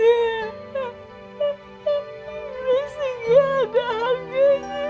ini ibu rasa gak ada harganya